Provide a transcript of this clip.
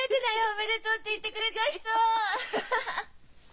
おめでとうって言ってくれた人アハハ！